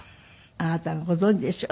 あなたがご存じでしょ？